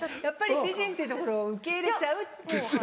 やっぱり美人っていうところを受け入れちゃう。